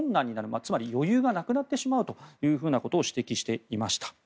つまり余裕がなくなってしまうということを指摘していました。